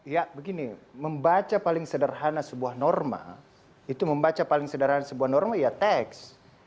ya begini membaca paling sederhana sebuah norma itu membaca paling sederhana sebuah norma ya teks